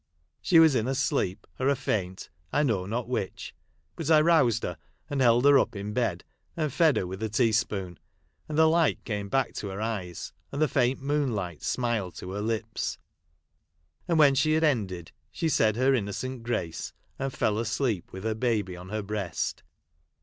She was in a sleep, or a faint, I know not which ; but I roused her, and held her up in bed, and fed her with a teaspoon, and the light came back to her eyes, and the faint moonlight smile to her lips ; and when she had ended, she said her innocent grace, and fell asleep with her baby on her breast.